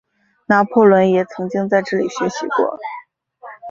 拿破仑也曾经在这里学习过。